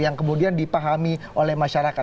yang kemudian dipahami oleh masyarakat